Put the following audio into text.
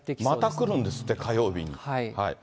また来るんですって、火曜日に。